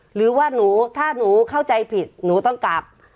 หรือว่าหนูถ้าหนูเข้าใจผิดหนูต้องกลับ